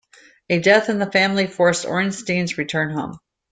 A death in the family forced Ornstein's return home.